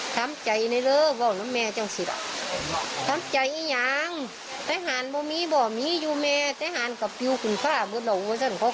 ทำใจอะไรเลยบอกว่าแม่จ้างสิสทำใจอย่าง